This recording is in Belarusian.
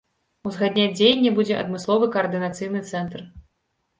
Узгадняць дзеянні будзе адмысловы каардынацыйны цэнтр.